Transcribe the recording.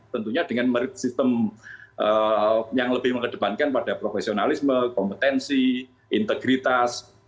tentunya dengan merit sistem yang lebih mengedepankan pada profesionalisme kompetensi integritas